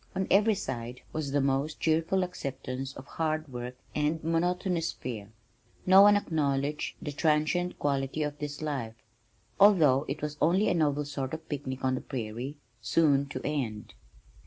On every side was the most cheerful acceptance of hard work and monotonous fare. No one acknowledged the transient quality of this life, although it was only a novel sort of picnic on the prairie, soon to end.